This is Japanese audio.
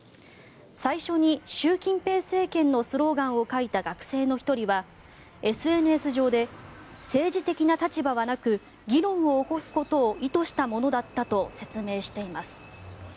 最初に習近平政権のスローガンを書いた学生の１人はＳＮＳ上で政治的な立場はなく議論を起こすことを意図したものだったと説明しています。